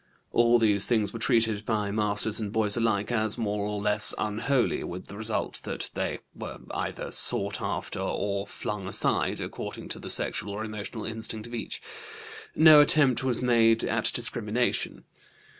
All these things were treated by masters and boys alike as more or less unholy, with the result that they were either sought after or flung aside, according to the sexual or emotional instinct of each. No attempt was made at discrimination.